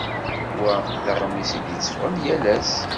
Wa d aɣmis ay d-itteffɣen yal ass.